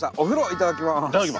いただきます。